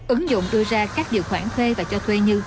ứng dụng đưa ra các điều khoản thuê và cho thuê như